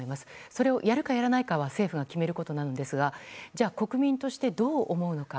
それをやるかやらないかは政府が決めることなのですがじゃあ、国民としてどう思うのか。